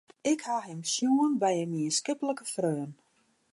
Ik ha him sjoen by in mienskiplike freon.